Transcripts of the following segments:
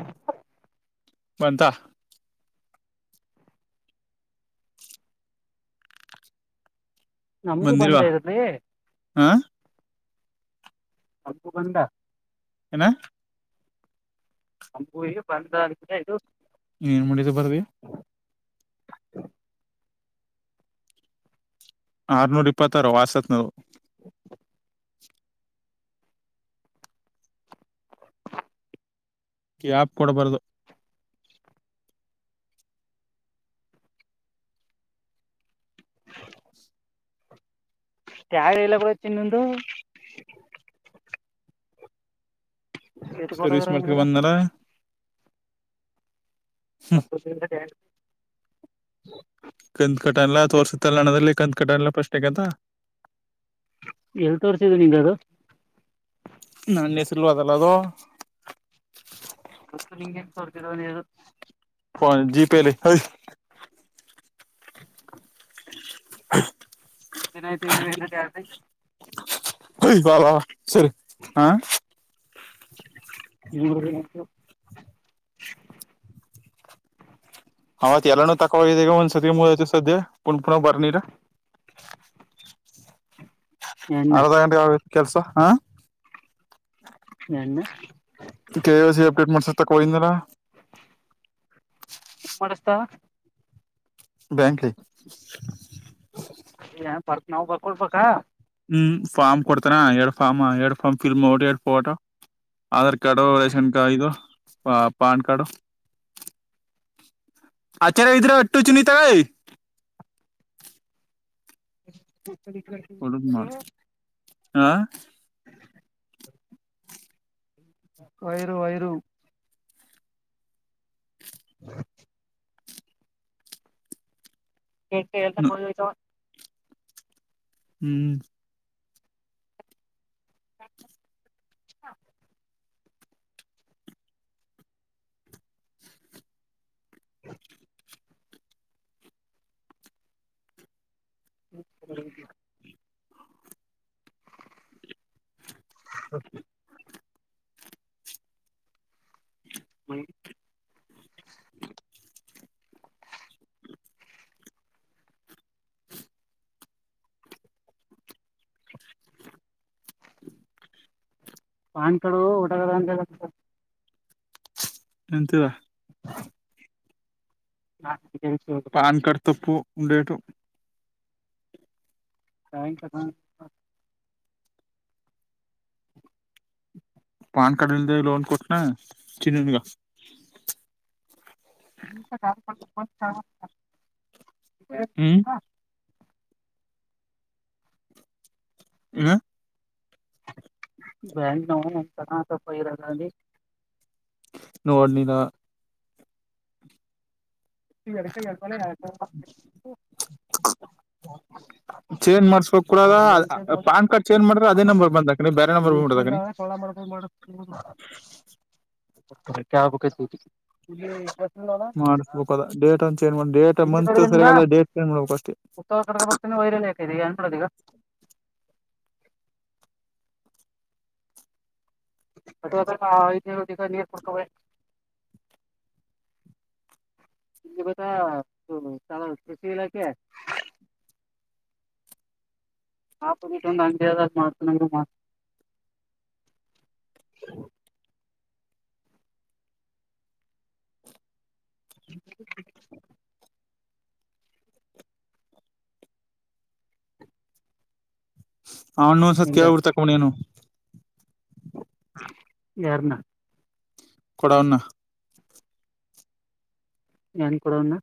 ಹ. ಬಂತ. ನಮಗೂ ಬಂದಿಲ್ವಾ ಬಂದ ಇ ಹ ಅಬುಗಧ ಏನ ನಮ್ಮೂರಿಗೆ ಬಂದ ಅನಿಸುತ್ತೆ ಇರು. ನೀ ಮುಡಿದ ಬರುವೆ. [inaudible] ಆರನೂರು ಇಪ್ಪತ್ತಾರು ವಾಸತ್ನವು. [inaudible] ಕ್ಯಾಪ್ ಕೊಡಬಾರದು. ಮ ಯಾಗ ಇಲ್ಲ ಬರತ್ತ ಇನ್ನೊಂದು ಸರ್ವಿಸ್ ಕೊಟ್ಟೋಗ್ರ ಮಾಡ್ಕ ಬಂದನಾರ. ಬು ಸಿ ಕ [inaudible] ಕತ್ ಕಟ ಎಲ್ಲ ತೋರ್ಸಿದ ತಲಣದಲ್ಲಿ ಕ ಕಡಾರಲ್ಲ ಪ್ರಶ್ಗದಾ ಎಲ್ ತೋರ್ಸಿದೆ ನಿಂಗ ಅದು. ನನ್ನ ಹೆಸಲ್ವದಲ್ಲ ಅದು. ಗತ್ತು ನಿಂಗೇನ್ ತೋರ್ತರದು ಫೋನ್ ಜಿಪೇಲ್ಲಿ. [inaudible] ಮೂರ್ ದಿನ ಆಯ್ತು ಇನ್ನುವ ಎರಡು. ಹಯ ಬ ಸರಿ ಹಾ. ಇ [inaudible] ಆತ್ ಎಲ್ಲಾನೂ ತಕ್ಕವಿದ್ದಗ ಒಂದ್ಸತಿ ಮೂತ ಸದ್ಯ ಪುಣ ಪುನ ಬರ್ನಿರ. ಎಣ್ಣ ಅರ್ಧ ಗಂಟೆಗೆ ಆಗೋಯುತು. ಕೆಲ್ಸ ಹಾ. ಎಣ್ಣ ಕೆ ವೈ ಸಿ ಅಪ್ಡೇಟ್ ಮಾಡಸೋಕ್ತ ಹೋಗಿದ್ನಲ್ಲ. ಏನ್ ಮಾಡಸತಾ. ಬ್ಯಾಂಕ್ ಹೇ. ಅ ಪರ್ಕ್ ನಾವು ಬರ್ಕೊಳ್ ಪಕ್ಕ ಹ್ಮ್ ಫಾರ್ಮ್ ಕೊಡ್ತಾರ ಎರಡ್ ಫಾರ್ಮ್ ಎರಡು ಫಾರ್ಮ್ ಫಿಲ್ ಮಾಡೋ ಎರಡು photo Aadhaar card ration card ಇದು. ಆ ಪನ್ ಕಾರ್ಡು ಆಚಾರ ಗರ ಅಟ್ಟು ಚನ್ನಿ ತಗ ರಿ ಒಡುದ ಮಾಡಾರ ಹಾ ವೈರು ವೈರು ಹ್ಮ [unintelligible] ಹ್ಮ್ ಹಾ ಹ ಸ ಮ ಪಾನ್ ಕಾರ್ಡ್ ಒಂಟಕದ ಅಂತ ಹೇಳ ಎಂತವಾ [unintelligible] ಹಾ ಎನ್ಸ ಪಾನ್ ಕಾರ್ಡ್ ತಪ್ಪು ಉಂಡೇಟು ತ್ಯಾಂಕ್ [unintelligible] ಪಾನ್ ಕಾರ್ಡ್ ಇಲ್ದೆ ಲೋನ್ ಕೊಟ್ಟನಾ ಚಿನ್ನನ್ಗ ನ [unintelligible] ಹ್ಮ್ ಹ್ಮ್ ಬ್ಯಾಂಕ್ ನನ್ ಎಂತನಸಪ್ಪ ಇರಲ್ಲಿ ನೋಡ್ನಿಲ್ಲ ಚೇಂಜ್ ಮಾಡ್ಸ್ಬೇಕಕ್ ಕೂಡಲ್ಲ ಪಾನ್ ಕಾರ್ಡ್ ಚೇಂಜ್ ಮಾಡ್ರೆ ಅದೇ ನಂಬರ್ ಬಂದಾಕನಿ ಬೇರೆ ಬರಿ ನಂಬರ್ ಉಟ್ಕೊಂಡ ಬಂದಬಕನಿ ಸೊಳ್ಳ ಮಾಡ್ಕೊಂಡ್ ಕಬಕ ಹ ಮಾಡಿಸ್ಬೇಕು ಅದ ಡೇಟ್ ಒ ಚೇಂಜ್ ಮಾಡಿ ಡೇಟ್ ಮಂತ್ ಸರಿಯಲ್ಲ ಡೇಟ್ ಚೇಂಜ್ ಮಾಡ್ಬೇಕಷ್ಟ ಉತ್ತರ ಕಡೆಗೆ ಬರ್ತಾನೆ ವೈರಲ್ ಯಾಕದೆ ಏನ್ ಮಾಡೋದ ಈಗ ಅಥವಾದ ಐಗ ನೀರ್ ಕುಡ್ಕೆ ಇಲ್ಲಿ ಗತ್ತಾ ಕೃಷಿ ಇಲಾಖೆ ನಾಟ್ಟಂದು ಅಂಜ ಮಾಡತನ ಮಾಡ ಹ ಹಣ್ಣ ಒಂದಸತ್ ಹಿಂಗ ಕೇಳಳ್ಬಿಡ್ ತಕೊಂಡಣ ಏನು ಯಾರನ್ನ ಕೊಡೌನ್ನ ನನ್ ಕೂಡ ಉನ್ನ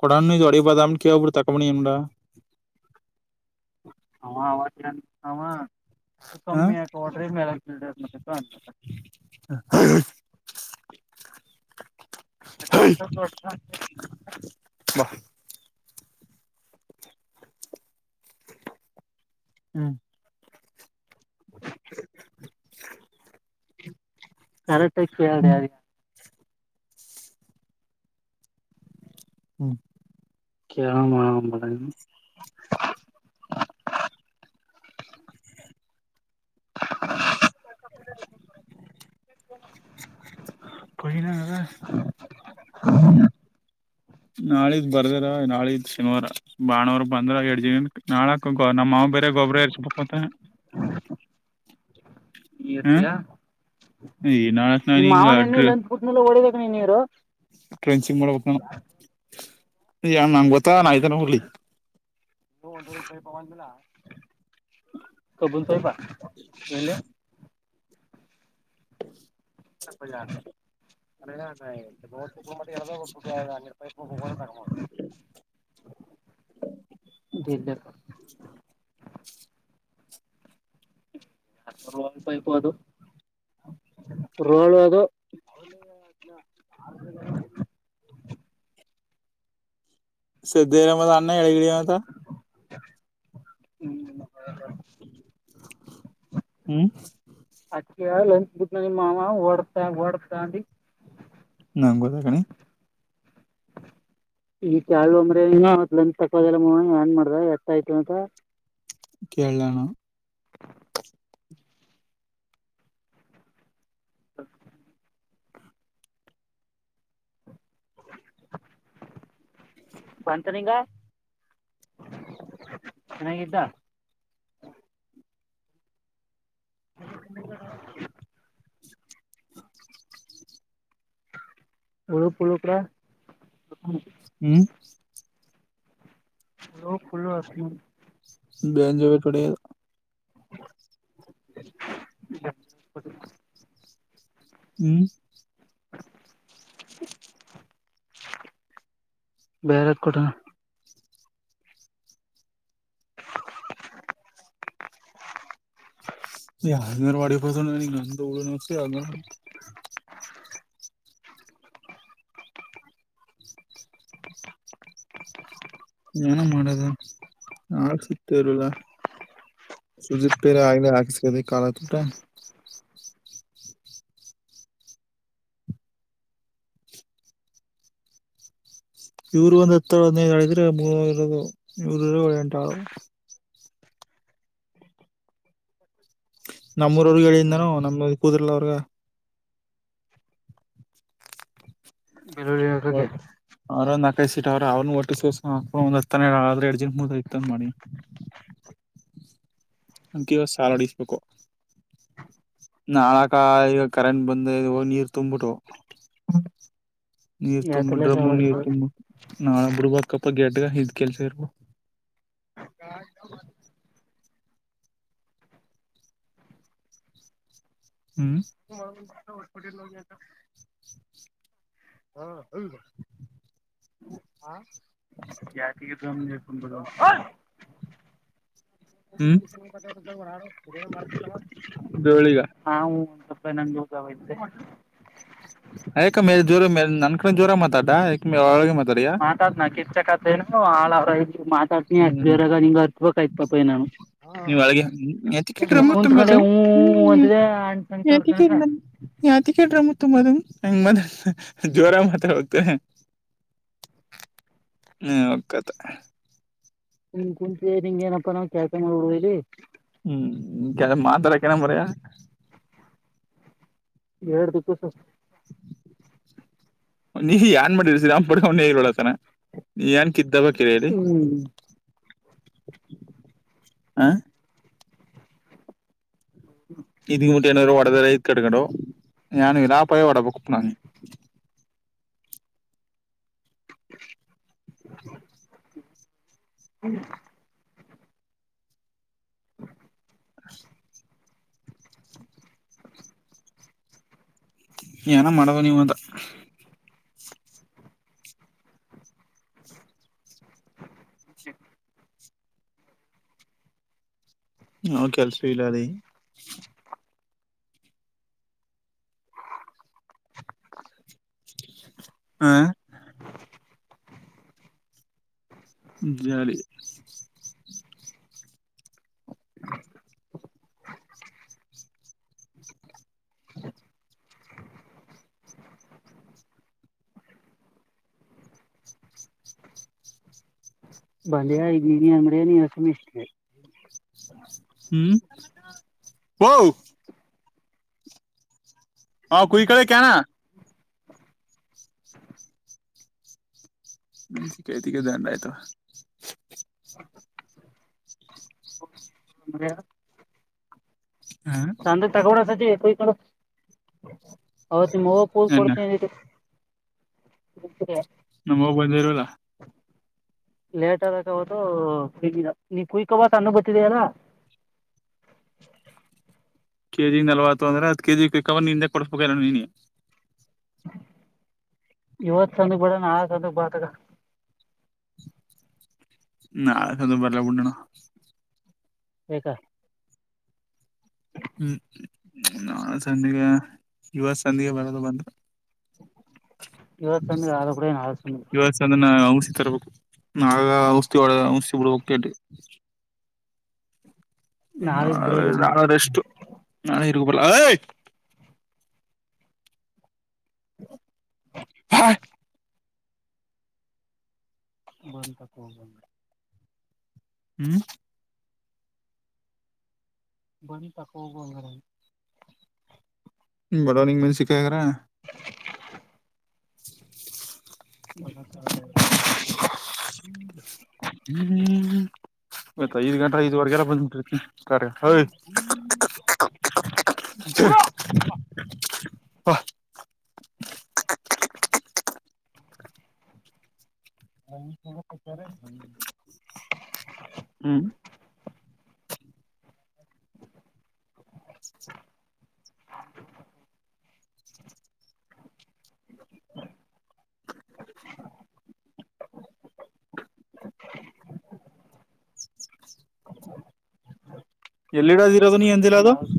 ಕಡ ಜಡಿ ಇಮ ಕಬ ತಕ್ಕ ಮನಿಯಾ ಹ ಆ ಹ ಕಮ್ಮಿ ಹ್ಮ್ ಆಕ ರ್ಡ್ರ ಮಡರ್ ಮ ಕ [unintelligible] ಬಾ ಹ್ಮ್ [inaudible] ಕರೆಕ್ಟ ಕೇಳ್ದೆ ಯಾರಿಗನ ಹ್ಮ [unintelligible] [inaudible] [unintelligible] ಕುಷಿನ ನಿನ್ಗೆ ನಾಳೆ ಬರ್ದರ ನಾಳೆ ಇದ್ ಶನಿವಾರ ಬಾನ್ವಾರ ಬಂದ್ರ ಎರಡ್ ಜಿನ ನಾಳಕ. ನಮ್ಮ್ ಮಾವ್ ಬೇರೆ ಗೊಬ್ಬರ ಇರ್ರಿಸಬೇಕು ಅಂತ [unintelligible] ಈರ್ತಿಯಾ ಈ ನಾಳಕ್ ನಾನ್ ನಿಮ್ಮ್ ಮಾವನ ಎ್ಣಂತ ಪುಟ್ನೆಲ್ಲ ಹೊಡದ ಸುಮ್ನಿರು ಟ್ರೆನ್ಚಿಂಗ್ ಮಾಡಕ್ ನಾನು ಯಾವ ನಂಗ್ ಗೊತ್ತ ದೋ ದು ರೂಪಾಯಿ ಪವನ್ ಮಿಲ್ಲ [inaudible] ಕಬ್ಬುನ್ ತೋಟ ಎಲ್ಲಿ ಹಪ್ಪಜ ಅಂದೆ [unintelligible] [unintelligible] [unintelligible] ಪೈಪ ಅದು ರೋಲ್ವದು [unintelligible] ಸಿದ್ದೇ [unintelligible] ಣ್ಣಾ ಇದ್ ಯಾವುದು ಹ್ಮ್ ಹ್ಮ ಅಕ್ಕಿ ಲಂಚ್ ಬಿಟ್ಟನ ನಿಮ್ಮ ಮಾವ ಒಡ್ತಾ ಒಡ್ತಾ ಅಂದಿ [unintelligible] ಈ ಕಾಳ್ ಅಂದ್ರೆ ಇನ್ನ ಲಂಚ್ ತಕ್ಕೋದಲ್ಲ ಏನ್ ಮಾಡ್ದ ಎಟ್ಟ್ ಆಯ್ತು ಅಂತ ಕೇಳ್ಣ್ಣು [inaudible] [unintelligible] ಬಂತ ನಿಂಗ ಚೆನ್ನಾಗಿದ್ದ. [inaudible] ಹುಳಪುಳು [unintelligible] ಹ್ಮ್ [unintelligible] [unintelligible] [unintelligible] ಹ್ಮ್ ಬೇರೆತ್ ಕೂಡ ಅರೆ ಮಾಡಾಡಿತ ತ [unintelligible] ಏನ ಮಾಡದು ಆಾಕ್ಸತ ಇರಿಲ್ಲ ಸುಜಿಪ್ಪೇರೆ ಆಗ್ಲಿ ಹಾಕ್ಸದೆ ಕಾಲ ತಊಟ ಇವ್ರ ಒಂದ್ ಹತ್ತ ಹದಿನೈದುಿದ್ರೆ ಮೂರದು ಇವರು ಇ ಎಂಟ ನಮ್ಮೂರ ಅವ್ರಗ್ ಹ್ಮ್ ಹೇಳಿದಾನು ನಮ್ದ ಕೂದರ್ಲ ಅವ್ರಗ [unintelligible] ಅವರಂದ ನಕಾಯಸಟ್ಟ ಅವ್ರರು ಅವ್ನು ಒಟ್ಟಿ ಸಸ ಒಂದ್ ಹತ್ತನ ಆದ್ರೆ ಎರಡ್ ಜನ್ ಮುದ ಐತಂದ ಮಾಡಿ ಅ ಕಿವ ಸಾಲಡಿಸಬೇಕು ನಾಳಕ ಈಗ ಕರೆಂಟ್ ಬಂದ ನೀರ್ ತುಂಬ್ಬಿಟ್ಟು ನೀರ್ ತುಂಬ ಯಾತ್ರೆಲ್ಲ ಡ್ರಮ್ಮು ಸಾವಿರ ನೀರ್ ರೂಪಾಯಿ ತುಂಬ ನಾಳಬರುಬಕಪ್ಪ ಗೆಟ್ಗ ಇದ್ ಕೆಲ್ಸ ಇರ್ಬೋ ಹ್ಮ್ ನಾವು [unintelligible] ಯಗಫನ್ [unintelligible] ಹ್ಮ್ [unintelligible] ಜೋಳಿಗ ಹಾ ನಂಗೆ ಹೋಗಾವ್ದೆ ಆಯ್ಕ ಮೇ ದೂರ ಮೇ ನನ್ ಜೋರ ಮಾತಾಡಾ ಏಕೆ ಒಳಗೆ ಮಾತಾಡಿಯಾ ಮತಾತ್್ ನ ಕ ಚಕತ ಹ ಆಳ ಮಾತಾಡ್ತೀನಿ ಹ್ಮ್ ಅಷ್ಟರಾಗ ನಿಂಗ ಅರ್ತ್ಬಕ್ಯತ್ ಪಪಯ ನಾನು ನೀವ್ ಒಳಗೆ ಎತಿಕೆ ಡ್ರಮ್ಮು ಕುಂತ್ ಕಡೆ ತುಂಬದು ಹೂ ಹ್ಮ್ ಅಂತಿದೆ ಅಣಸಂಗತವರ್ ಮ ಮದ ನಂಗ ಮದ ಜೋರ ಮಾತ್ರ ಹತ ಹಕ್ಕತ್ತ ಹ್ ಕುಂಚ ನಿಂಗ ಏನಪ್ಪಾ ನಾವ ಕೆಳ್ಸ ಮಾಡ ಇಲ್ಲಿ ಹ್ಮ್ ಮಾತ್ರರಕಣ ಪೆಯ ಎ್ದಕ್ಕ ಸ ನೀ ಏನ್ ಮಾಡಿರ್ಸೀಾಮ ಪಡ ಅವನ ಹಳ್ಳತನ ಏನ್ ಕಿದ್ದ ಬಕಿರ ಹೇಳಿ ಹ್ಮ್ ಹ ಇದ್ ಮುಟ್ಟು ಏನಾದರು ರೈತ್ ಕಡಗ ಾನು ಎಲ್ಲಾಪಯ ಒಡ ಬಕ್ಪ್ನ ಹ್ಮ [inaudible] [inaudible] ಏನ ಮಾಡುವ ನೀವ ಅಂತ [inaudible] ಹ ಕೆಲ್ಸ ಇಲ್ಲರಿ ಹ ಜಾರಿ ಬಂದಿ ಆನಿ ಅಂಗಡ ನೀವು ಸುಮ ಇಷ್ಟತಿದೆ ಹ್ಮ್ ಓ ಹಾ ಕೂಯಿ ಕಳಿಕ್ಯಾನ. ಮೆಣಸಿನಕಾಯಿ ತೆಗೆದು ದಂಡ ಆಯಿತು. ಅದ [unintelligible] ಚಂದ ತಗೋಡ ಸ ಕ ಹೌದು [unintelligible] ನಿಮ ಹೋಗಕ್ ಹೂ ಎನ್ನ ಕೊಡ್ತೇ [unintelligible] ಹ [inaudible] ನಮ್ಮವ ಬಂದಿರಲ್ಲ. ಲೇಟ್ ಆದಗ ಅವತ್ತು ನೀ ಕುಯಕೋಬಕ್ ಅನ್ಬತ್ತಿದಲ್ಲ. ಕೆಜಿ ನಲ್ವತ್ತು ಅಂದ್ರ ಹತ್ತು ಕೆ ಜಿ ಕವರ್ ನಿಂದೇ ಕೊಡ್ಸ್ಬೇಕಲ್ಲ ನೀನೇ. ಇವತ್ ಸಂಜಿಗ ಬೇಡ ನಾ ಸಂಜಿಗ ಬಾಕಗ ನಾ ಆ ಸದು ಬರ್ಲಬಡಣ [unintelligible] ಯಾಕ್ ಹ್ಮ್ ನಾ ಸಜಿಗೆ ಯುವತ್ ಸಂಧಿಗೆ ಬರದು ಬಂದ ಇವತ್ತು ಸಮ್ಮ ಆದ ಕೂಡನ್ ಆದ ಸಮ್ಮ ರ್ಬೇಕು ನಾವೇ ಔಷದೀ ಔಷಿ [unintelligible] ಬಿಡ್ಬೇಕೇ ನಾಳೆಗ್ ನಾಳೆ ಬಿಡೋದು ನಾಡದ ರೇಸ್ಟು ನಾಳಿ ಟು ಬರ್ಲಾ ಐ ಹ [inaudible] ಹಾ ಬಂದ ತ ಕೋಬಂದ. ಹ್ಮ್ ಬಣಿ ತಕ ಒಲ್ಗರ [unintelligible] ಬಡವನಿಂಗ ಮನೀ ಸಿಕ್ಕಗ್ರ. [inaudible] [inaudible] ಮ ಹ್ಮ [unintelligible] ಹ್ಮ್ ಆಯ್ತಾ ಐದ ಗಂಟ ಐದವರೆಗೆಲ್ಲ ಬಂದಬಿಟ್ಟಿರ್ತೀನಿ ಕಾರ ಹ. ವಹ [unintelligible] ಹಚಾರೆ [unintelligible] ಹ್ಮ್ [unintelligible] ಎಲ್ಲಿಡೋದ ಇರೋದು ನೀ ಅಂದಿಲ ಅದು. ನಾಳೆ